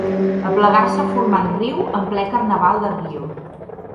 Aplegar-se formant riu en ple carnaval de Rio.